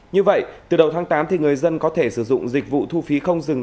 như vậy từ đầu tháng tám người dân có thể sử dụng dịch vụ thu phí không dừng